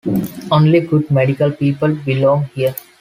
Only good medical people belong here.